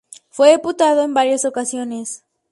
Fue diputado en varias ocasiones.